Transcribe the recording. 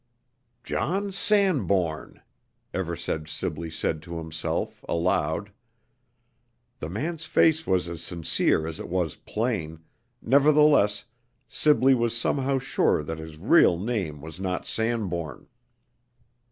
"John Sanbourne!" Eversedge Sibley said to himself, aloud. The man's face was as sincere as it was plain, nevertheless Sibley was somehow sure that his real name was not Sanbourne.